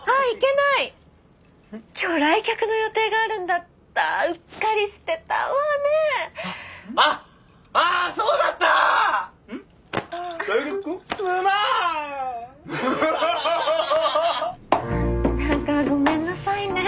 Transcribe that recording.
なんかごめんなさいね。